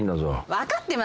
分かってますよ！